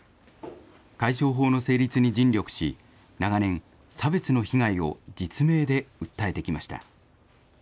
解消法の成立に尽力し、長年、差別の被害を実名で訴えてきました。